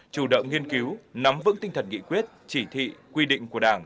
chủ động nghiên cứu nắm vững tinh thần nghị quyết chỉ thị quy định của đảng